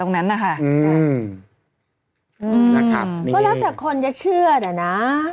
ก็แล้วสากคนจะเชื่อได้นะ